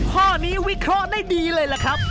ข้อนี้วิเคราะห์ได้ดีเลยล่ะครับ